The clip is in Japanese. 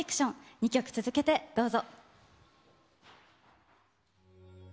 ２曲続けてどうぞ。